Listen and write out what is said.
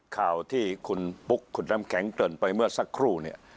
ข่าวที่คุณปุ๊กคุณน้ำแข็งเกริ่นไปเมื่อสักครู่เนี่ย